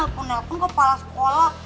kalaupun kalaupun kepala sekolah